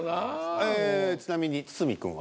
ええちなみに堤君は？